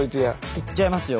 いっちゃいますよ